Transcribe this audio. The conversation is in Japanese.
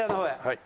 はい。